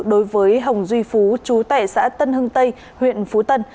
đối với hồng duy phú chú tẻ xã tân hưng tây huyện phú tân